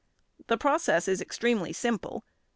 The process is extremely simple.